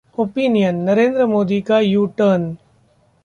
Opinion: Narendra Modi का U turn